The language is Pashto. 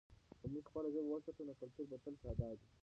که موږ خپله ژبه وساتو، نو کلتور به تل شاداب وي.